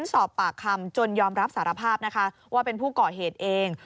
สอบปากคำจนยอมรับสารภาพนะคะว่าเป็นผู้ก่อเหตุเอง